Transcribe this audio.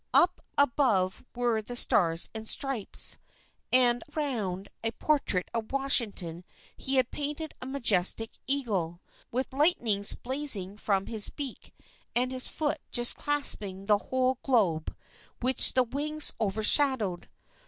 Up above were the stars and stripes, and around a portrait of Washington he had painted a majestic eagle, with lightnings blazing from his beak and his foot just clasping the whole globe, which the wings overshadowed.